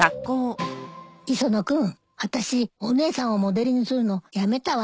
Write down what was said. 磯野君私お姉さんをモデルにするのやめたわ。